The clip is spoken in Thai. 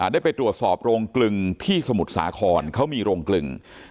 ได้ไปตรวจสอบโรงกลึงที่สมุทรสาครเขามีโรงกลึง